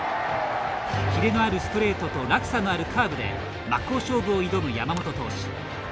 キレのあるストレートと落差のあるカーブで真っ向勝負を挑む山本投手。